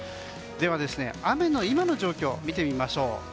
では、雨の今の状況を見てみましょう。